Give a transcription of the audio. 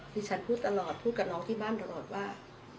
ที่ฉันพูดตลอดพูดกับน้องที่บ้านตลอดว่า